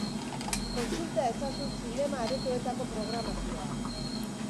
Kontsultatu ezazu zinema-aretoetako programazioa.